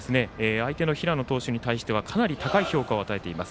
相手の平野投手に対してはかなり高い評価を与えています。